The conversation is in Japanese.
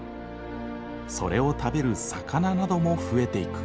それを食べる魚なども増えていく。